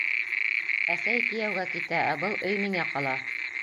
Әсәй кейәүгә китә, ә был өй миңә ҡала.